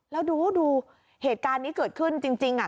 แล้วดูเหตุการณ์นี้เกิดขึ้นจริงอ่ะ